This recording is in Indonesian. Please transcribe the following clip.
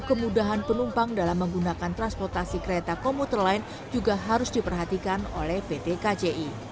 kemudahan penumpang dalam menggunakan transportasi kereta komuter lain juga harus diperhatikan oleh pt kci